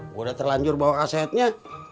gua udah terlanjur bawa kasetnya